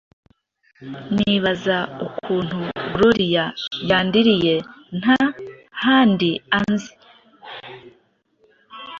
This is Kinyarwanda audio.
nibaza ukuntu Gloria yandiriye nta handi anzi